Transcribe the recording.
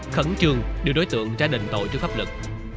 khẩn trương đưa đối tượng ra đình tội trước pháp lực